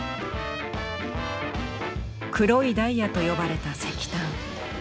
黒いダイヤと呼ばれた石炭。